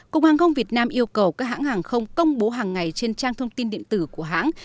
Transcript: cục hàng không việt nam yêu cầu các hãng hàng không công bố hàng ngày trên trang thông tin điện tử của hãng